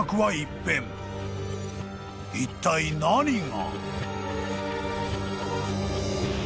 ［いったい何が］